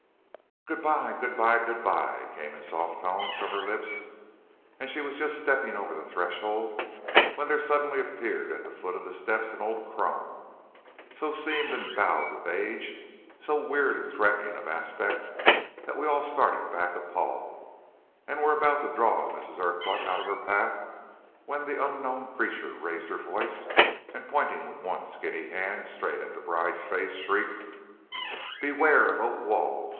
"'Good by! good by! good by!' came in soft tones from her lips; and she was just stepping over the threshold, when there suddenly appeared at the foot of the steps an old crone, so seamed and bowed with age, so weird and threatening of aspect, that we all started back appalled, and were about to draw Mrs. Urquhart out of her path, when the unknown creature raised her voice, and pointing with one skinny hand straight into the bride's face, shrieked: "'Beware of oak walls!